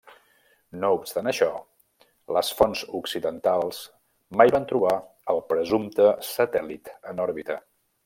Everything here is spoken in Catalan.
No obstant això, les fonts occidentals mai van trobar el presumpte satèl·lit en òrbita.